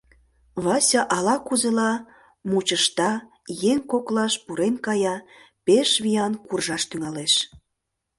Вася ала-кузела мучышта, еҥ коклаш пурен кая, пеш виян куржаш тӱҥалеш.